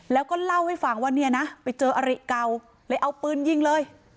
แล้วก็เล่าให้ฟังว่าเนี่ยนะไปเจออริเก่าเลยเอาปืนยิงเลย